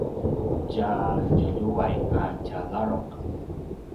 tja djeljuway a tja ladruq